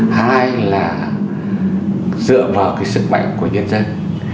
hai là dựa vào sức mạnh của nhân dân